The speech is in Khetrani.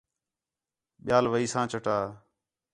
ٻِیال ویساں چٹاں